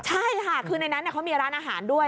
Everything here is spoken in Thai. ใช่ค่ะคือในนั้นเขามีร้านอาหารด้วย